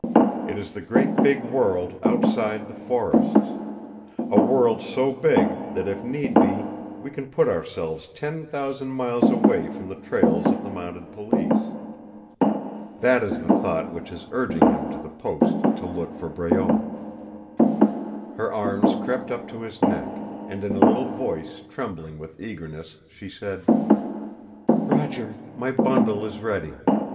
It is the great big world outside the forests, a world so big that if need be we can put ourselves ten thousand miles away from the trails of the mounted police. That is the thought which is urging him to the post to look for Breault." Her arms crept up to his neck, and in a little voice trembling with eagerness she said, "Roger, my bundle is ready.